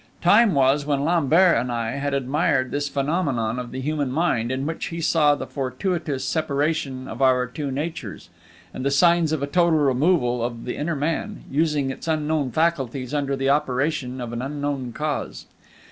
Time was when Lambert and I had admired this phenomenon of the human mind, in which he saw the fortuitous separation of our two natures, and the signs of a total removal of the inner man, using its unknown faculties under the operation of an unknown cause.